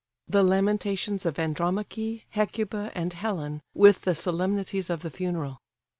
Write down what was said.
The lamentations of Andromache, Hecuba, and Helen, with the solemnities of the funeral.